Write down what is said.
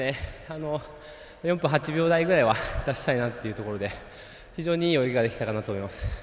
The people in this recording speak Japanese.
４分８秒台ぐらいは出したいなというので非常にいい泳ぎができたかなと思います。